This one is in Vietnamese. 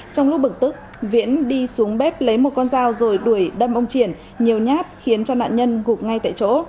trong lúc bực tức viễn đi xuống bếp lấy một con dao rồi đuổi đâm ông triển nhiều nhát khiến cho nạn nhân gục ngay tại chỗ